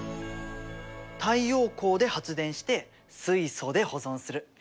太陽光で発電して水素で保存する。